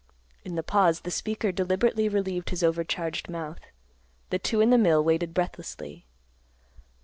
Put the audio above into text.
In the pause the speaker deliberately relieved his overcharged mouth. The two in the mill waited breathlessly.